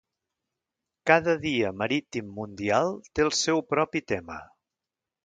Cada dia marítim mundial té el seu propi tema.